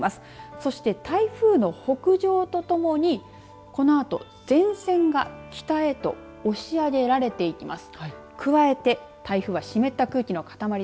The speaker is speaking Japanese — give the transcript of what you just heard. そして、台風の北上とともにこのあと、前線が北へと押し上げられていきます。